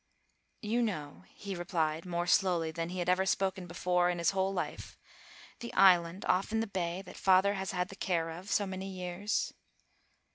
"You know," he replied, more slowly than he had ever spoken before in his whole life, "the island off in the bay that father has had the care of so many years?"